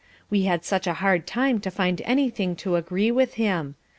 We had such a hard time to find anything to agree with him.